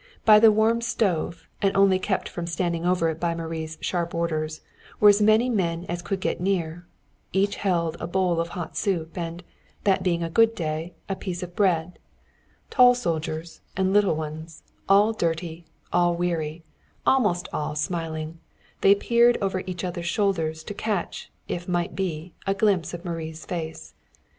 By the warm stove, and only kept from standing over it by Marie's sharp orders, were as many men as could get near. Each held a bowl of hot soup, and that being a good day a piece of bread. Tall soldiers and little ones, all dirty, all weary, almost all smiling, they peered over each other's shoulders, to catch, if might be, a glimpse of Marie's face.